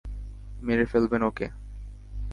মেরে ফেলবেন ওকে!